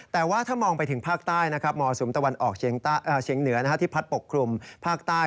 แต่ว่าถ้ามองไปถึงภาคใต้นะครับมรสุมตะวันออกเฉียงเหนือที่พัดปกคลุมภาคใต้